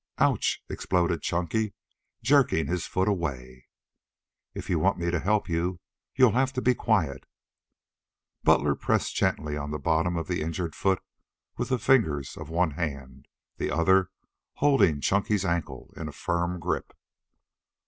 "Ouch!" exploded Chunky, jerking his foot away. "If you want me to help you, you'll have to be quiet." Butler pressed gently on the bottom of the injured foot with the fingers of one hand, the other holding Chunky's ankle in a firm grip.